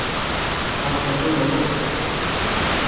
مانک ڪنڊو لڳو اَ